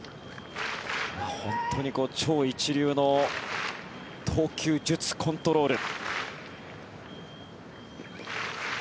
本当に超一流の投球術、コントロール。